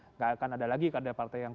tidak akan ada lagi kader partai yang